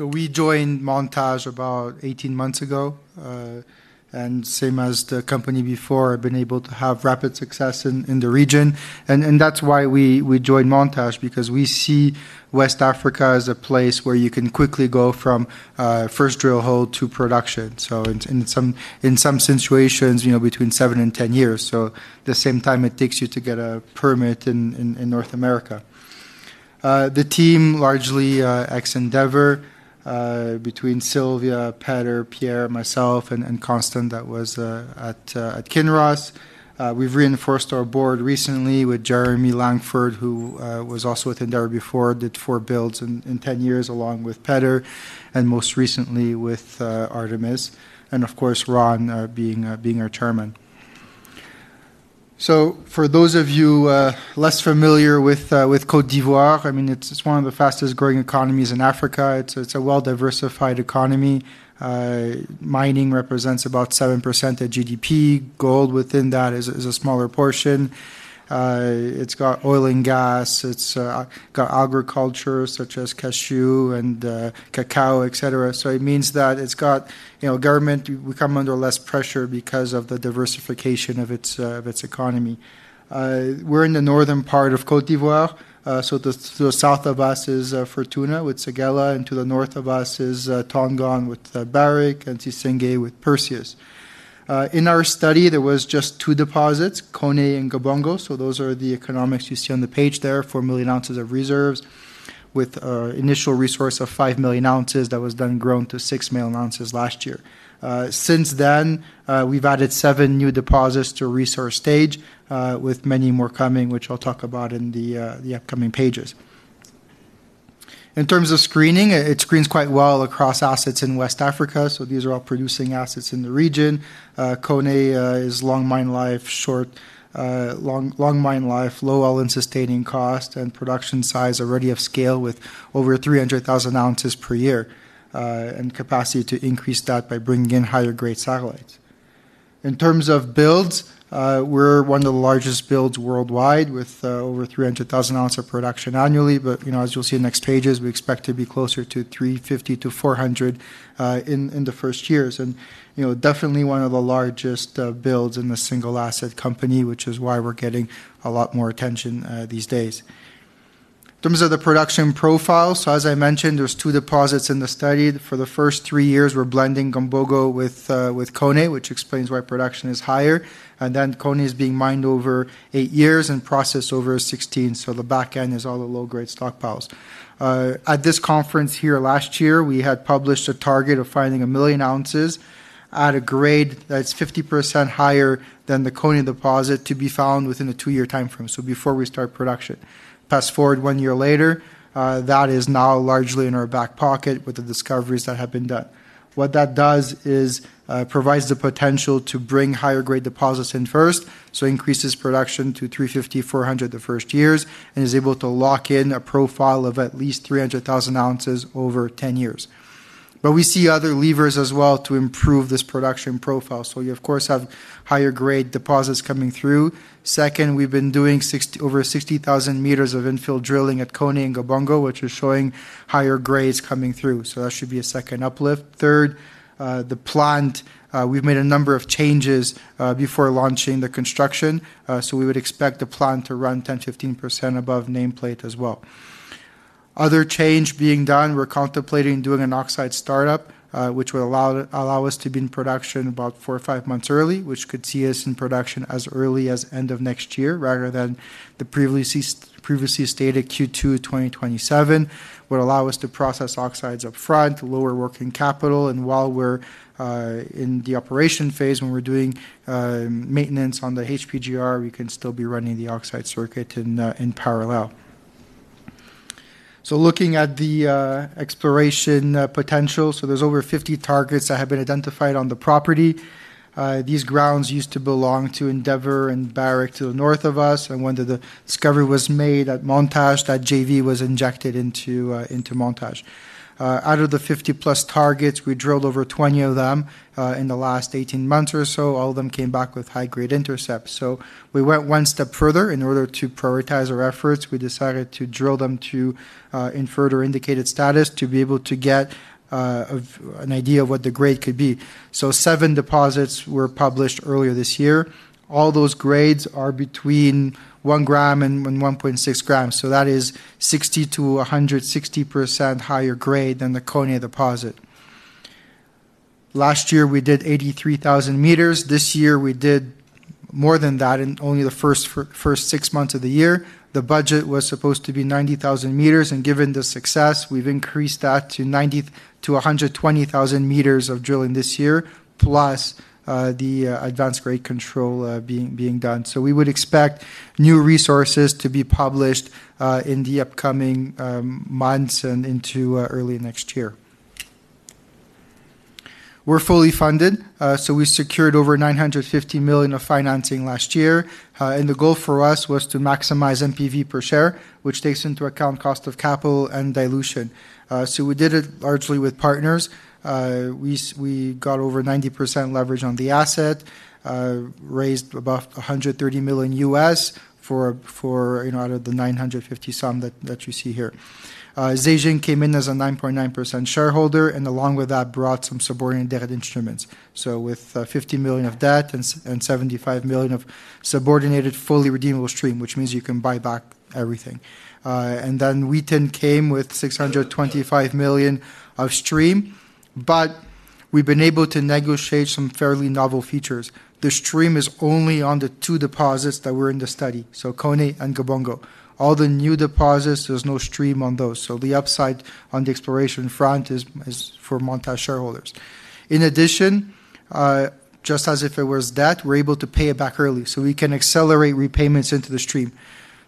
We joined Montage about 18 months ago. Same as the company before, I've been able to have rapid success in the region. That's why we joined Montage, because we see West Africa as a place where you can quickly go from first drill hole to production. In some situations, you know, between seven and ten years, the same time it takes you to get a permit in North America. The team is largely ex-Endeavour, between Silvia, Peter, Pierre, myself, and Constant that was at Kinross. We've reinforced our board recently with Jeremy Langford, who was also with Endeavour before, did four builds in ten years along with Peter, and most recently with Artemis Gold Inc. Of course, Ron being our chairman. For those of you less familiar with Côte d'Ivoire, it's one of the fastest growing economies in Africa. It's a well-diversified economy. Mining represents about 7% of GDP. Gold within that is a smaller portion. It's got oil and gas. It's got agriculture such as cashew and cacao, etc. It means that it's got, you know, government, we come under less pressure because of the diversification of its economy. We're in the northern part of Côte d'Ivoire. The south of us is Fortuna with Séguéla, and to the north of us is Tongon with Barrick Gold and Sissingué with Perseus Mining. In our study, there were just two deposits, Koné and Gbongogo. Those are the economics you see on the page there, four million ounces of reserves with an initial resource of five million ounces that was then grown to six million ounces last year. Since then, we've added seven new deposits to resource stage, with many more coming, which I'll talk about in the upcoming pages. In terms of screening, it screens quite well across assets in West Africa. These are all producing assets in the region. Koné is long mine life, low all-in sustaining cost, and production size already of scale with over 300,000 ounces per year, and capacity to increase that by bringing in higher grade satellites. In terms of builds, we're one of the largest builds worldwide with over 300,000 ounces of production annually. As you'll see in the next pages, we expect to be closer to 350,000 to 400,000 in the first years. Definitely one of the largest builds in a single asset company, which is why we're getting a lot more attention these days. In terms of the production profiles, as I mentioned, there's two deposits in the study. For the first three years, we're blending Gbongogo with Koné, which explains why production is higher. Koné is being mined over eight years and processed over 16. The back end is all the low-grade stockpiles. At this conference here last year, we had published a target of finding a million ounces at a grade that's 50% higher than the Koné deposit to be found within a two-year timeframe, before we start production. Fast forward one year later, that is now largely in our back pocket with the discoveries that have been done. What that does is provide the potential to bring higher grade deposits in first, which increases production to 350,000, 400,000 the first years, and is able to lock in a profile of at least 300,000 ounces over 10 years. We see other levers as well to improve this production profile. You, of course, have higher grade deposits coming through. Second, we've been doing over 60,000 meters of infill drilling at Koné and Gbongogo, which is showing higher grades coming through. That should be a second uplift. Third, the plant, we've made a number of changes before launching the construction. We would expect the plant to run 10% to 15% above nameplate as well. Another change being done, we're contemplating doing an oxide startup, which would allow us to be in production about four or five months early, which could see us in production as early as end of next year, rather than the previously stated Q2 2027. That would allow us to process oxides up front, lower working capital. While we're in the operation phase, when we're doing maintenance on the HPGR, we can still be running the oxide circuit in parallel. Looking at the exploration potential, there are over 50 targets that have been identified on the property. These grounds used to belong to Endeavour Mining and Barrick Gold to the north of us. When the discovery was made at Montage Gold Corp., that JV was injected into Montage Gold Corp. Out of the 50 plus targets, we drilled over 20 of them in the last 18 months or so. All of them came back with high-grade intercepts. We went one step further. In order to prioritize our efforts, we decided to drill them in further indicated status to be able to get an idea of what the grade could be. Seven deposits were published earlier this year. All those grades are between one gram and 1.6 grams. That is 60% to 160% higher grade than the Koné deposit. Last year, we did 83,000 meters. This year, we did more than that in only the first six months of the year. The budget was supposed to be 90,000 meters. Given the success, we've increased that to 90,000 to 120,000 meters of drilling this year, plus the advanced grade control being done. We would expect new resources to be published in the upcoming months and into early next year. We're fully funded. We secured over $950 million of financing last year. The goal for us was to maximize net present value per share, which takes into account cost of capital and dilution. We did it largely with partners. We got over 90% leverage on the asset, raised about $130 million U.S. out of the $950 million sum that you see here. Zijin Mining Group came in as a 9.9% shareholder, and along with that brought some subordinate debt instruments. With $50 million of debt and $75 million of subordinated fully redeemable stream, which means you can buy back everything. Wheaton Precious Metals came with $625 million of stream, but we've been able to negotiate some fairly novel features. The stream is only on the two deposits that were in the study, so Koné and Gbongogo. All the new deposits, there's no stream on those. The upside on the exploration front is for Montage Gold Corp. shareholders. In addition, just as if it was debt, we're able to pay it back early. We can accelerate repayments into the stream.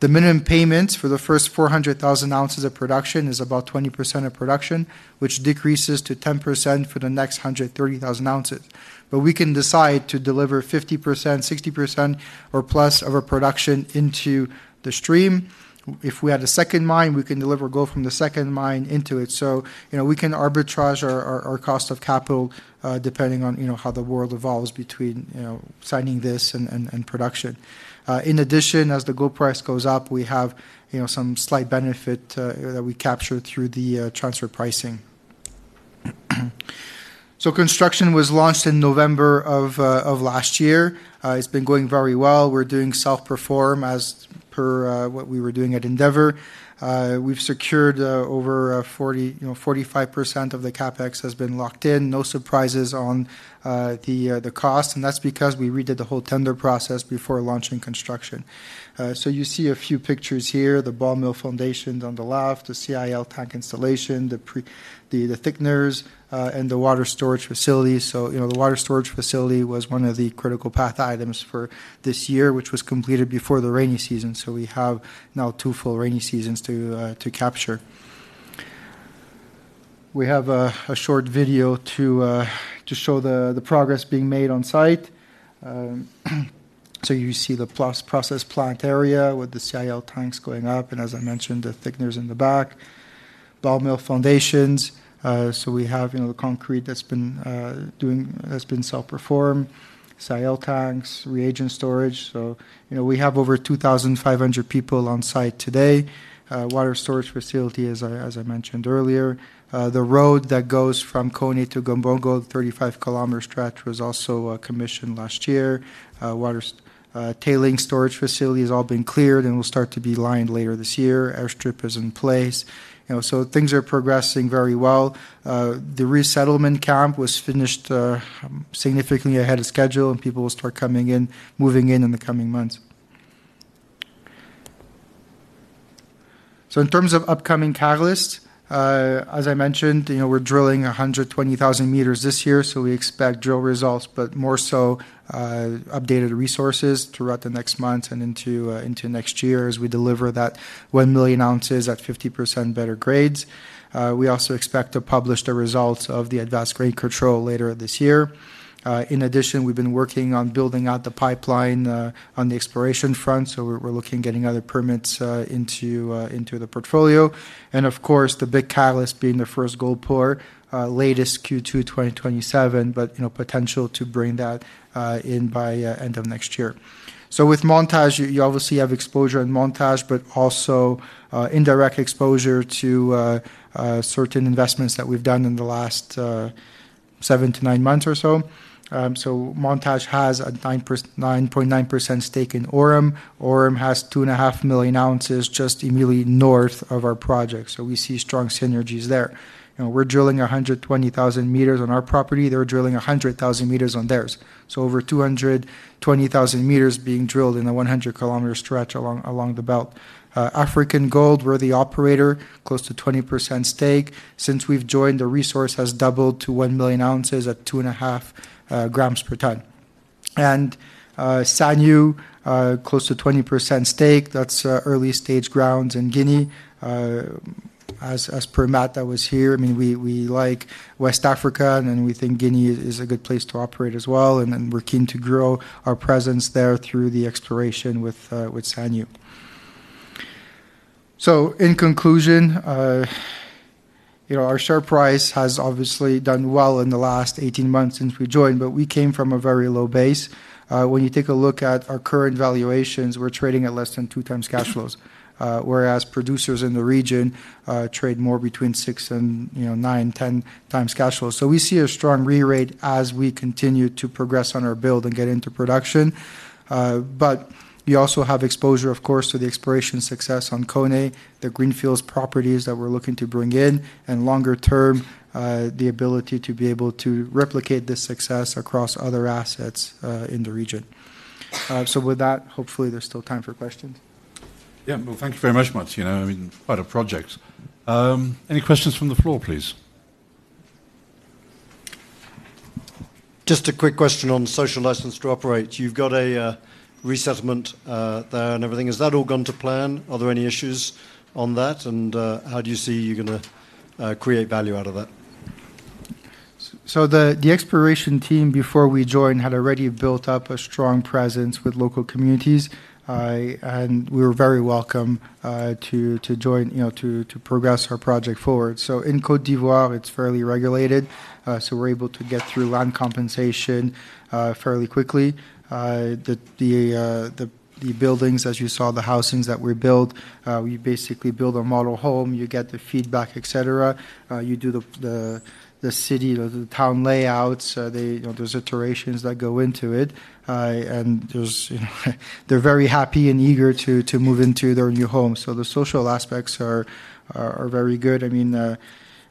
The minimum payments for the first 400,000 ounces of production is about 20% of production, which decreases to 10% for the next 130,000 ounces. We can decide to deliver 50%, 60%, or more of our production into the stream. If we had a second mine, we can deliver gold from the second mine into it. We can arbitrage our cost of capital depending on how the world evolves between signing this and production. In addition, as the gold price goes up, we have some slight benefit that we capture through the transfer pricing. Construction was launched in November of last year. It's been going very well. We're doing self-perform as per what we were doing at Endeavour Mining. We've secured over 40%, 45% of the CapEx has been locked in. No surprises on the cost. That's because we redid the whole tender process before launching construction. You see a few pictures here. The ball mill foundations on the left, the CIL tank installation, the thickeners, and the water storage facility. The water storage facility was one of the critical path items for this year, which was completed before the rainy season. We have now two full rainy seasons to capture. We have a short video to show the progress being made on site. You see the process plant area with the CIL tanks going up. As I mentioned, the thickeners in the back, ball mill foundations. We have the concrete that's been doing, that's been self-performed, CIL tanks, reagent storage. We have over 2,500 people on site today. Water storage facility, as I mentioned earlier, the road that goes from Koné to Gbongogo, the 35 kilometer stretch, was also commissioned last year. Tailing storage facility has all been cleared and will start to be lined later this year. Airstrip is in place. Things are progressing very well. The resettlement camp was finished significantly ahead of schedule, and people will start coming in, moving in in the coming months. In terms of upcoming catalysts, as I mentioned, we're drilling 120,000 meters this year. We expect drill results, but more so updated resources throughout the next month and into next year as we deliver that one million ounces at 50% better grades. We also expect to publish the results of the advanced grade control later this year. In addition, we've been working on building out the pipeline on the exploration front. We're looking at getting other permits into the portfolio. Of course, the big catalyst being the first gold pour, latest Q2 2027, with potential to bring that in by the end of next year. With Montage, you obviously have exposure in Montage, but also indirect exposure to certain investments that we've done in the last seven to nine months or so. Montage has a 9.9% stake in Aurum Resources. Aurum Resources has 2.5 million ounces just immediately north of our project. We see strong synergies there. We're drilling 120,000 meters on our property. They're drilling 100,000 meters on theirs. Over 220,000 meters being drilled in a 100 kilometer stretch along the belt. African Gold, we're the operator, close to 20% stake. Since we've joined, the resource has doubled to one million ounces at 2.5 grams per ton. Sanyu Resources, close to 20% stake. That's early stage grounds in Guinea. As per Matt that was here, we like West Africa and we think Guinea is a good place to operate as well. We're keen to grow our presence there through the exploration with Sanyu Resources. In conclusion, our share price has obviously done well in the last 18 months since we joined, but we came from a very low base. When you take a look at our current valuations, we're trading at less than two times cash flows, whereas producers in the region trade more between six and, you know, nine, ten times cash flows. We see a strong re-rate as we continue to progress on our build and get into production. We also have exposure, of course, to the exploration success on Koné, the greenfields properties that we're looking to bring in, and longer term, the ability to be able to replicate this success across other assets in the region. With that, hopefully there's still time for questions. Thank you very much, Martin. I mean, quite a project. Any questions from the floor, please? Just a quick question on social license to operate. You've got a resettlement there and everything. Has that all gone to plan? Are there any issues on that? How do you see you're going to create value out of that? The exploration team before we joined had already built up a strong presence with local communities. We were very welcome to join, you know, to progress our project forward. In Côte d'Ivoire, it's fairly regulated. We're able to get through land compensation fairly quickly. The buildings, as you saw, the housings that were built, we basically build a model home. You get the feedback, etc. You do the city, the town layouts. There are iterations that go into it. They're very happy and eager to move into their new home. The social aspects are very good.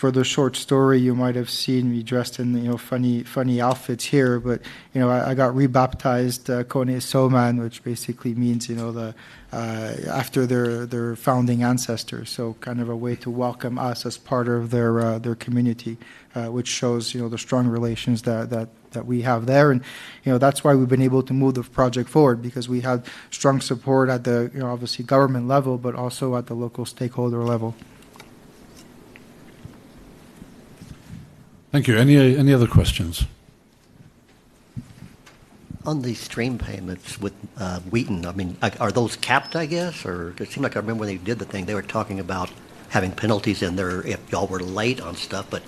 For the short story, you might have seen me dressed in funny outfits here, but I got re-baptized Koné Souman, which basically means, you know, after their founding ancestors. It's kind of a way to welcome us as part of their community, which shows the strong relations that we have there. That's why we've been able to move the project forward because we had strong support at the, you know, obviously government level, but also at the local stakeholder level. Thank you. Any other questions? On the stream payments with Wheaton Precious Metals, I mean, are those capped, I guess? It seemed like I remember when they did the thing, they were talking about having penalties in there if y'all were late on stuff, but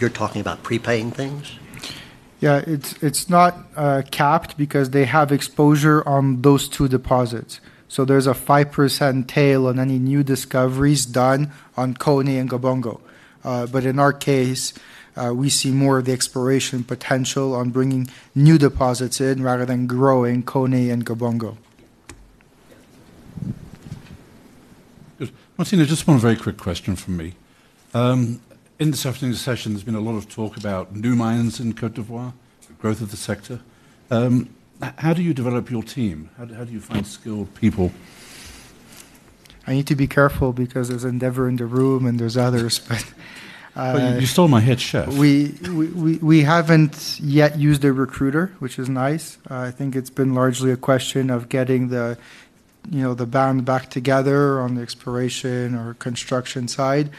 you're talking about prepaying things? Yeah, it's not capped because they have exposure on those two deposits. There's a 5% tail on any new discoveries done on Koné and Gbongogo. In our case, we see more of the exploration potential on bringing new deposits in rather than growing Koné and Gbongogo. Martin, I just want a very quick question from me. In this afternoon's session, there's been a lot of talk about new mines in Côte d'Ivoire, the growth of the sector. How do you develop your team? How do you find skilled people? I need to be careful because there's Endeavour Mining in the room and there's others. You stole my head, Chef. We haven't yet used a recruiter, which is nice. I think it's been largely a question of getting the band back together on the exploration or construction side.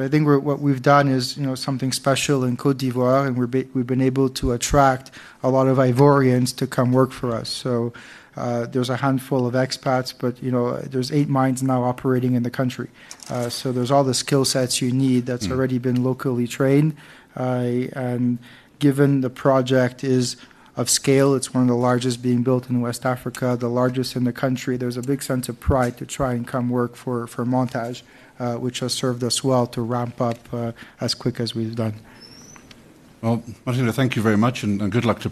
I think what we've done is something special in Côte d'Ivoire, and we've been able to attract a lot of Ivorians to come work for us. There's a handful of expats, but you know, there's eight mines now operating in the country. There's all the skill sets you need that's already been locally trained. Given the project is of scale, it's one of the largest being built in West Africa, the largest in the country, there's a big sense of pride to try and come work for Montage, which has served us well to ramp up as quick as we've done. Martin, thank you very much and good luck to you.